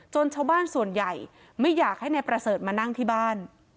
ชาวบ้านส่วนใหญ่ไม่อยากให้นายประเสริฐมานั่งที่บ้าน